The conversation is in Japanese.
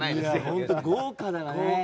本当に豪華だね。